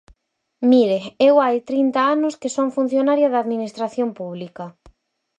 Mire, eu hai trinta anos que son funcionaria da Administración pública.